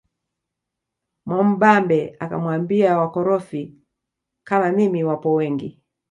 Mwamubambe akamwambia wakorofi kama mimi wapo wengi